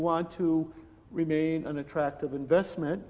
jadi anda ingin menjadi pelabur yang menarik